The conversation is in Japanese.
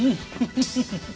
フフフフ！